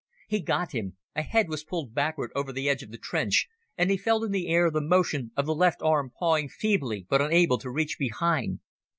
He got him. A head was pulled backward over the edge of the trench, and he felt in the air the motion of the left arm pawing feebly but unable to reach behind.